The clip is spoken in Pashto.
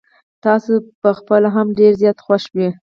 تاسو په خپله هم ډير زيات خوښ وې.